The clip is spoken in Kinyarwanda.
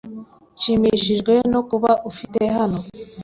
Nshimishijwe no kuba ufite hano.